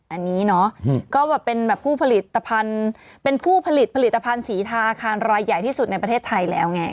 อันนี้เนาะก็แบบเป็นผู้ผลิตภัณฑ์สีทาอาคารรายใหญ่ที่สุดในประเทศไทยแล้วไง